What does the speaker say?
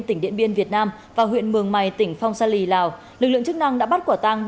tỉnh điện biên việt nam và huyện mường mày tỉnh phong sa lì lào lực lượng chức năng đã bắt quả tăng